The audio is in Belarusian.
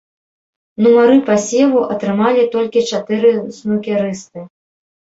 Нумары пасеву атрымалі толькі чатыры снукерысты.